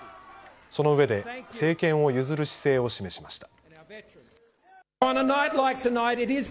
その上で政権を譲る姿勢を示しました。